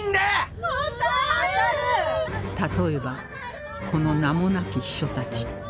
例えばこの名もなき秘書たち